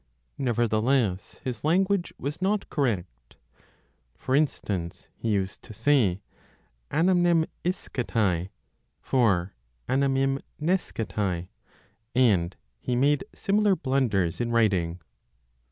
Nevertheless, his language was not correct. For instance, he used to say "anamnemisketai" for "anamimnesketai"; and he made similar blunders in writing.